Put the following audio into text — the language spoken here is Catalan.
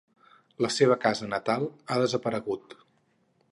La seva casa natal ha desaparegut.